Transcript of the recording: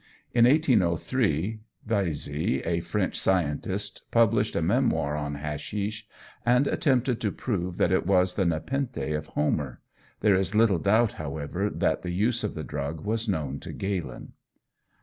In 1803 Visey, a French scientist, published a memoir on hashish, and attempted to prove that it was the Nepenthe of Homer; there is little doubt, however, that the use of the drug was known to Galen.